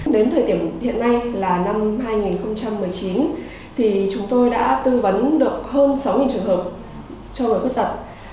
đến thời điểm hiện nay là năm hai nghìn một mươi chín thì chúng tôi đã tư vấn được hơn sáu trường hợp cho người khuyết tật